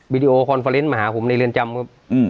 วีดีโอคอนเฟอร์เรนต์มาหาผมในเรียนจำว่าอืม